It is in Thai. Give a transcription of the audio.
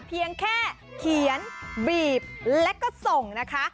เพียงแค่เขียนบีบแล้วก็ส่งนะคะ